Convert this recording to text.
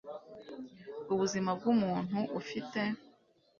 Ubuzima bw umuntu ufite